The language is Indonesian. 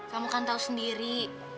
kamu kan tau sendiri